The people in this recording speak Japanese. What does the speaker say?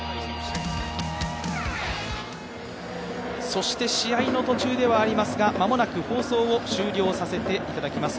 そして試合の途中ではありますが間もなく放送を終了させていただきます。